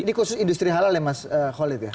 ini khusus industri halal ya mas khalid ya